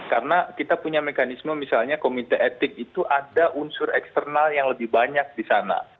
karena kita punya mekanisme misalnya komite etik itu ada unsur eksternal yang lebih banyak di sana